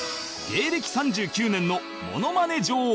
芸歴３９年のモノマネ女王